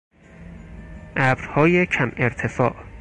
ابرهای کم ارتفاع